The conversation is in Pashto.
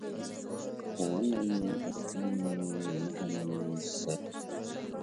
اووه نوي اتۀ نوي نهه نوي سل